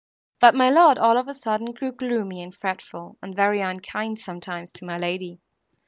But my lord, all of a sudden, grew gloomy and fretful, and very unkind sometimes to my lady.